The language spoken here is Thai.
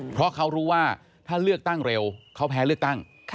เพราะเขารู้ว่าถ้าเลือกตั้งเร็วเขาแพ้เลือกตั้ง